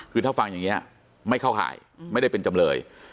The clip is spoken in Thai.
คือถ้าฟังอย่างนี้ไม่เข้าข่ายไม่ได้เป็นจำเลย